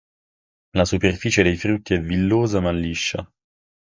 La superficie dei frutti è villosa ma liscia.